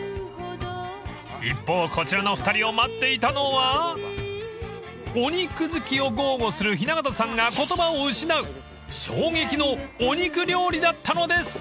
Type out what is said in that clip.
［一方こちらの２人を待っていたのはお肉好きを豪語する雛形さんが言葉を失う衝撃のお肉料理だったのです］